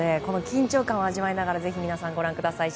緊張感を味わいながらぜひ、皆さんご覧ください。